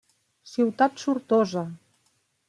Ciutat sortosa!